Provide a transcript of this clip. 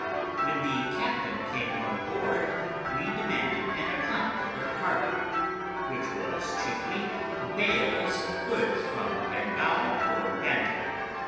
When the captain came on board, we demanded an account of their cargo, which was chiefly bales of goods from Bengal for Bantam.